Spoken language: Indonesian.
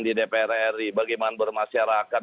di dpr ri bagaimana bermasyarakat